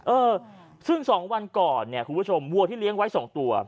เออซึ่ง๒วันก่อนเนี่ยคุณผู้ชมวัวที่เลี้ยงไว้๒ตัว